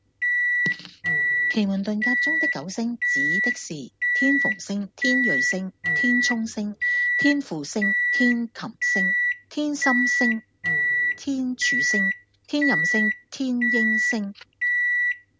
奇門遁甲中的九星，指的是天蓬星、天芮星、天沖星、天輔星、天禽星、天心星、天柱星、天任星、天英星